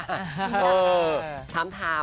บีแล้วค่ะ